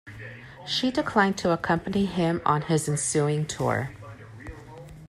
She declined to accompany him on his ensuing tour.